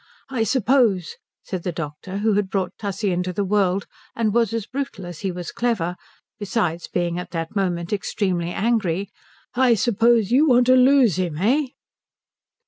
I suppose," said the doctor, who had brought Tussie into the world and was as brutal as he was clever, besides being at that moment extremely angry, "I suppose you want to lose him, eh?"